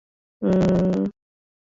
Pia kundi liliahidi ushirika